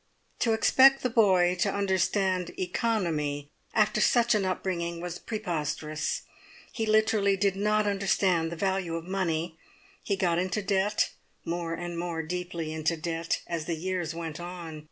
"To expect the boy to understand economy after such an upbringing was preposterous. He literally did not understand the value of money. He got into debt, more and more deeply into debt, as the years went on.